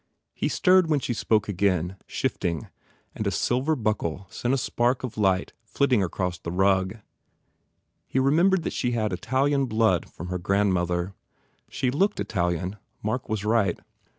He stirred when she spoke again, shifting, and a silver buckle sent a spark of light flitting across the rug. He remembered that she had Italian blood from her grandmother. She looked Italian. Mark was right.